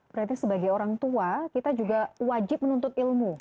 berarti sebagai orang tua kita juga wajib menuntut ilmu